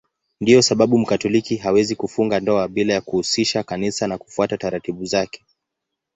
Ndiyo sababu Mkatoliki hawezi kufunga ndoa bila ya kuhusisha Kanisa na kufuata taratibu zake.